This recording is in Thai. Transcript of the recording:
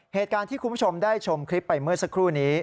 เหตุการณ์ที่คุณผู้ชมได้ชมคลิปไปเมื่อสักครู่นี้